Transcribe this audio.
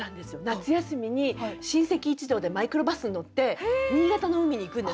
夏休みに親戚一同でマイクロバスに乗って新潟の海に行くんですね。